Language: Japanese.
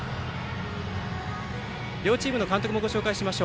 両チームの監督をご紹介します。